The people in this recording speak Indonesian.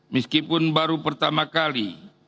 meskipun baru pertama kali